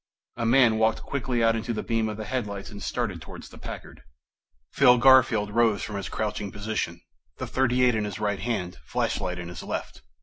A man walked quickly out into the beam of the headlights and started towards the Packard. Phil Garfield rose from his crouching position, the .38 in his right hand, flashlight in his left.